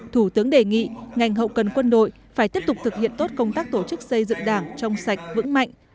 thủ tướng đề nghị ngành hậu cần quân đội phải tiếp tục thực hiện tốt công tác tổ chức xây dựng đảng trong sạch vững mạnh